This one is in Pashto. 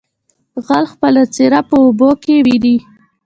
ـ غل خپله څېره په اوبو کې ويني.